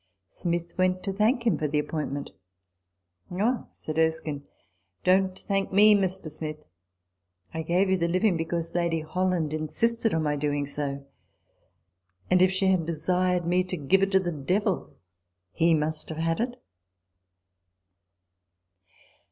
* Smith went to thank him for the appointment. " Oh," said Erskine, " don't thank me, Mr. Smith. I gave you the living because Lady Holland insisted on my doing so : and if she had desired me to give it to the devil, he must have had it."